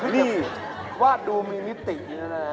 นี่วาดดูมีมิตินะ